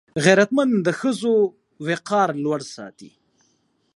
غیرتمند د ښځو وقار لوړ ساتي